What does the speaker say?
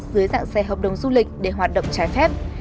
dưới dạng xe hợp đồng du lịch để hoạt động trái phép